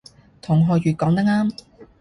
同學乙講得啱